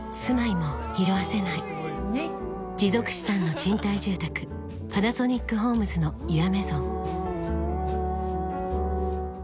持続資産の賃貸住宅「パナソニックホームズのユアメゾン」